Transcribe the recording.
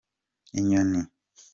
inyoni.